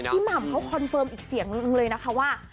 หม่ำเขาคอนเฟิร์มอีกเสียงนึงเลยนะคะว่า